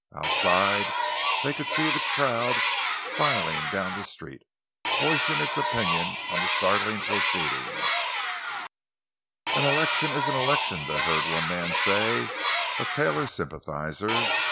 Outside they could see the crowd filing down the street, voicing its opinion of the startling proceeding. "An election is an election," they heard one man say—a Taylor sympathizer.